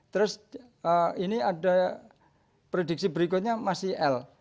terus ini ada prediksi berikutnya masih l